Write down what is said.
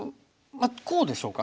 こうでしょうか？